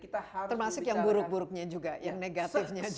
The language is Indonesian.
termasuk yang buruk buruknya juga yang negatifnya juga